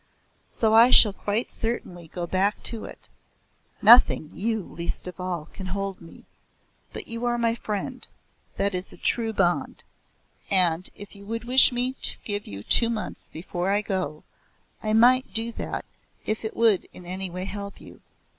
So I shall quite certainly go back to it. Nothing you least of all, can hold me. But you are my friend that is a true bond. And if you would wish me to give you two months before I go, I might do that if it would in any way help you.